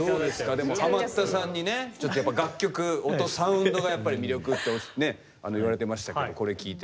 でもハマったさんにねちょっとやっぱ楽曲音サウンドがやっぱり魅力ってね言われてましたけどこれ聞いて。